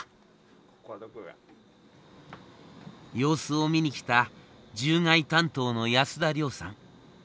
様子を見に来た獣害担当の安田亮さん。